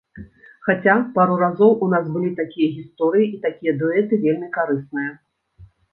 Хаця, пару разоў у нас былі такія гісторыі, і такія дуэты вельмі карысныя.